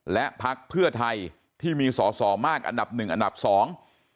และพักเพื่อไทยที่มีสอสอมากอันดับหนึ่งอันดับสอง